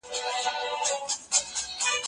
ایا ستا مقاله په کوم سیمینار کي وړاندې سوي ده؟